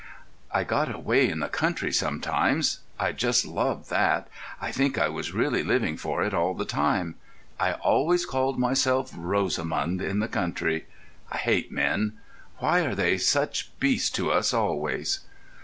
"I got away in the country sometimes. I just loved that. I think I was really living for it all the time.... I always called myself Rosamund in the country.... I hate men—why are they such beasts to us always?"